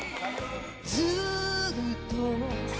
「ずっと」